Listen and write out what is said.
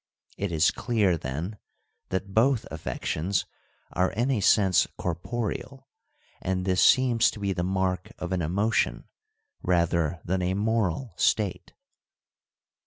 It is clear, then, that both affections are in a sense corporeal, and this seems to be the mark of an emotion rather than a moral state.